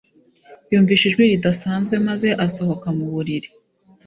Yumvise ijwi ridasanzwe maze asohoka mu buriri